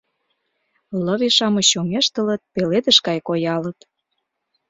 Лыве-шамыч чоҥештылыт, пеледыш гай коялыт.